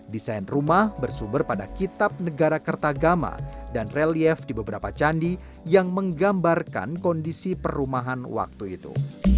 desain rumah bersumber pada kitab negara kertagama dan relief di beberapa candi yang menggambarkan kondisi perumahan waktu itu